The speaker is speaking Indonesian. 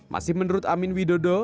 masih menurut amin widodo